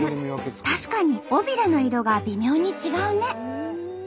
確かに尾びれの色が微妙に違うね。